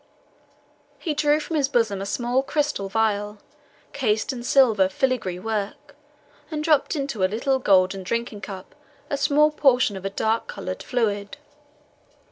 He drew from his bosom a small crystal vial, cased in silver filigree work, and dropped into a little golden drinking cup a small portion of a dark coloured fluid.